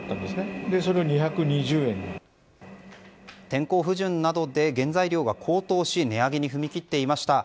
天候不順などで原材料が高騰し値上げに踏み切っていました。